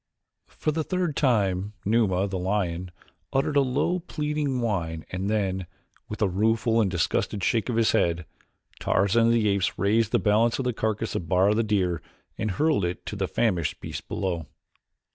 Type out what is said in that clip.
For the third time Numa, the lion, uttered that low pleading whine and then, with a rueful and disgusted shake of his head, Tarzan of the Apes raised the balance of the carcass of Bara, the deer, and hurled it to the famished beast below.